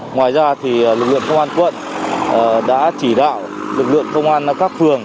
ngoài ra lực lượng công an quận đã chỉ đạo lực lượng công an các phường